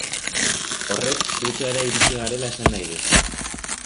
Horrek Krutxeara iritsi garela esan nahi du.